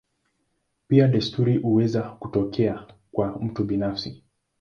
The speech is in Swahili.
Pia desturi huweza kutokea kwa mtu binafsi.